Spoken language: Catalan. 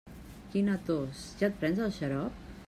Quina tos, ja et prens el xarop?